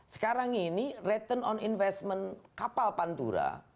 sekarang ini return on investment kapal pantura